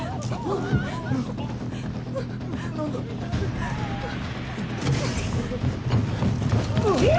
あっ。